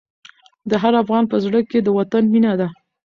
د هر افغان په زړه کې د وطن مینه ده.